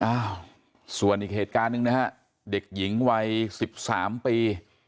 อ้าวส่วนอีกเหตุการณ์หนึ่งนะฮะเด็กหญิงวัย๑๓ปี